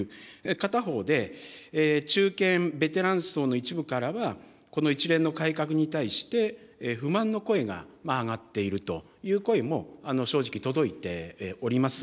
片方で、中堅、ベテラン層の一部からは、この一連の改革に対して不満の声が上がっているという声も、正直、届いております。